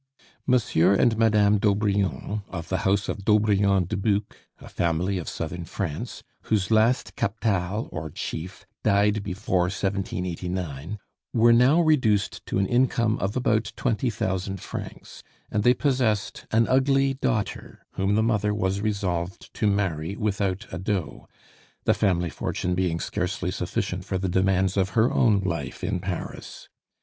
Monsieur and Madame d'Aubrion, of the house of d'Aubrion de Buch, a family of southern France, whose last captal, or chief, died before 1789, were now reduced to an income of about twenty thousand francs, and they possessed an ugly daughter whom the mother was resolved to marry without a dot, the family fortune being scarcely sufficient for the demands of her own life in Paris.